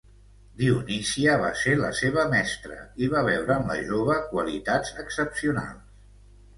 Dionísia va ser la seva mestra i va veure en la jove qualitats excepcionals.